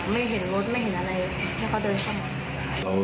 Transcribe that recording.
ไม่เห็นอะไรแล้วเขาเดินข้างหลัง